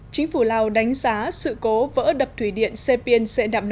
chính phủ lào đánh giá sự cố vỡ đập thủy điện xe biên xệ đạm non